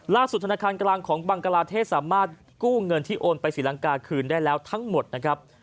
ธนาคารกลางของบังกลาเทศสามารถกู้เงินที่โอนไปศรีลังกาคืนได้แล้วทั้งหมดนะครับ